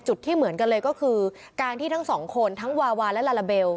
จุดที่เหมือนกันเลยก็คือการที่ทั้งสองคนทั้งวาวาและลาลาเบล